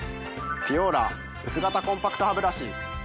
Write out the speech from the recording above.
ピュオーラ薄型コンパクトハブラシ。